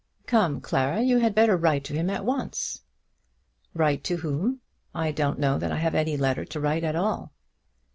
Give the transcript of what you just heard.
Come, Clara, you had better write to him at once." "Write to whom? I don't know that I have any letter to write at all."